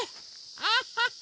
アハッハ！